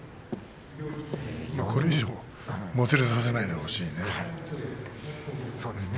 これ以上もつれさせないでほしいね。